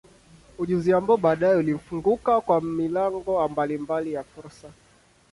Ujuzi ambao baadaye ulimfunguka kwa milango mbalimbali ya fursa.